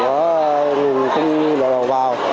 người lao động vào